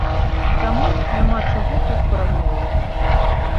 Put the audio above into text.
Таму няма чаго тут параўноўваць.